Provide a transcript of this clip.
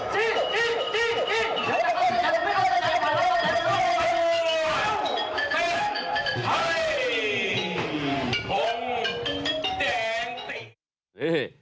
จริงจริงจริงจริง